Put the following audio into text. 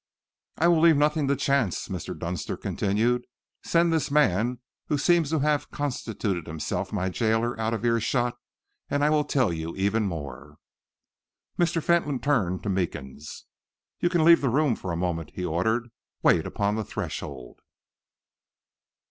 "I will leave nothing to chance," Mr. Dunster continued. "Send this man who seems to have constituted himself my jailer out of earshot, and I will tell you even more." Mr. Fentolin turned to Meekins. "You can leave the room for a moment," he ordered. "Wait upon the threshold."